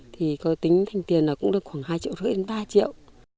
thì có tính thành tiền là cũng được khoảng hai triệu hơn ba triệu